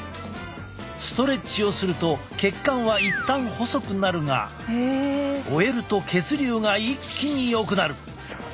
ストレッチをすると血管は一旦細くなるが終えると血流が一気によくなる。